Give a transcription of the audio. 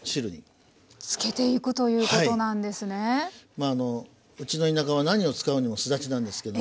まああのうちの田舎は何を使うにもすだちなんですけど。